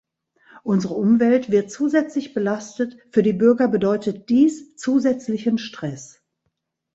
Unsere Umwelt wird zusätzlich belastet, für die Bürger bedeutet dies zusätzlichen Streß.